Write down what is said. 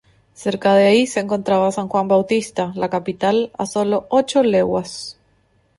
Cerca de ahí, se encontraba San Juan Bautista, la capital, a solo ocho leguas.